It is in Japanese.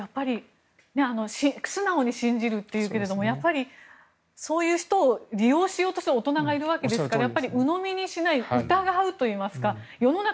素直に信じるというけどもそういう人を利用しようとする大人がいるわけですから鵜呑みにしない疑うといいますか世の中